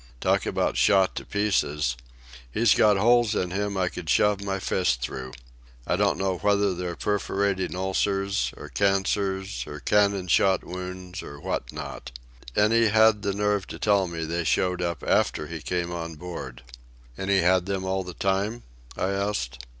Talk about shot to pieces! He's got holes in him I could shove my fist through. I don't know whether they're perforating ulcers, or cancers, or cannon shot wounds, or what not. And he had the nerve to tell me they showed up after he came on board!" "And he had them all the time?" I asked.